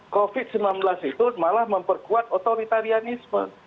covid sembilan belas itu malah memperkuat otoritarianisme